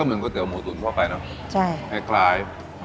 ก็เหมือนก๋วยเตี๋ยวหมูตุ๋นพอไปเนอะใช่แคลร์